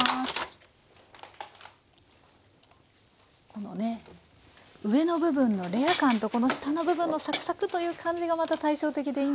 このね上の部分のレア感とこの下の部分のサクサクという感じがまた対照的でいいんですよね。